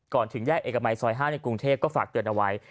ถึงแยกเอกมัยซอย๕ในกรุงเทพก็ฝากเตือนเอาไว้